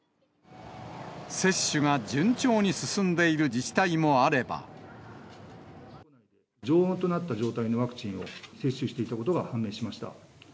接種が順調に進んでいる自治常温となった状態のワクチンを、接種していたことが判明しました。